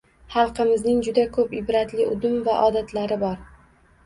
Xalqimizning juda ko‘p ibratli udum va odatlari bor